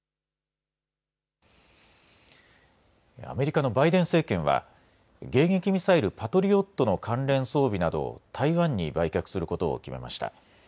アメリカのバイデン政権は迎撃ミサイルパトリオットの関連装備などを台湾に売却することを決めました。